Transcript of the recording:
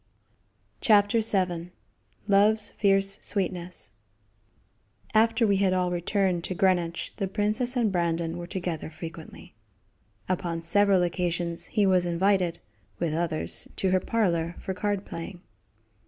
CHAPTER VII Love's Fierce Sweetness After we had all returned to Greenwich the princess and Brandon were together frequently. Upon several occasions he was invited, with others, to her parlor for card playing.